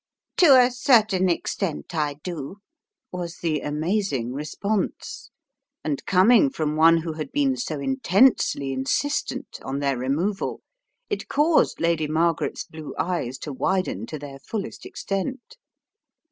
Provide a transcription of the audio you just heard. "To a certain extent I do," was the amazing response, and coming from one who had been so intensely insistent on their removal it caused Lady Margaret's blue eyes to widen to their fullest extent.